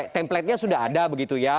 templatenya sudah ada begitu ya